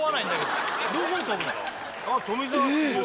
あっ富澤すごい！